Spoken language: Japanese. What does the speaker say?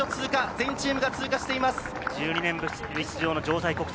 全チームが通過しています。